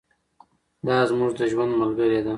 دا زموږ د ژوند ملګرې ده.